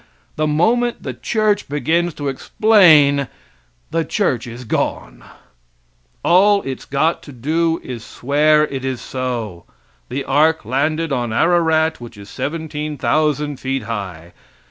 The moment the church begins to explain the church is gone. All it's got to do is swear it is so. The ark landed on Ararat, which is 17,000 feet high.